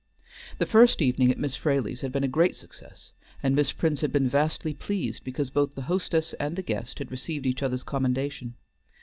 The first evening at Mrs. Fraley's had been a great success, and Miss Prince had been vastly pleased because both the hostess and the guest had received each other's commendation.